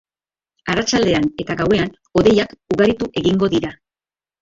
Arratsaldean eta gauean hodeiak ugaritu egingo dira.